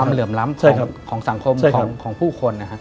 ความเหลือมล้ำของสังคมของผู้คน